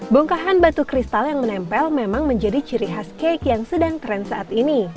bongkahan batu kristal yang menempel memang menjadi ciri khas cake yang sedang tren saat ini